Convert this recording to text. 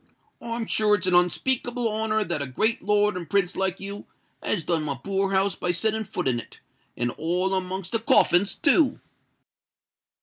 I'm sure it's a unspeakable honour that a great lord and prince like you has done my poor house by setting foot in it—and all amongst the coffins too!"